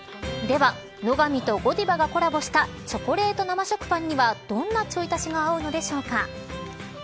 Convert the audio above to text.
では、乃が美とＧＯＤＩＶＡがコラボしたチョコレート生直パンにはどんなちょい足しがあうのでしょうか。